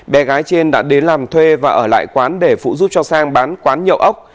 bé gái trên đã đến làm thuê và ở lại quán để phụ giúp cho sang bán quán nhậu ốc